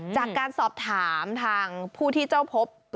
จากการสอบถามทางผู้ที่เจ้าพบ